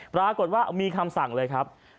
หมายถึงว่ามีคำสั่งเลยครับ